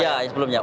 iya yang sebelumnya